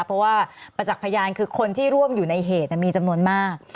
เพราะว่าประจักษ์พยานคือคนที่ร่วมอยู่ในเหตุมีจำนวนมาก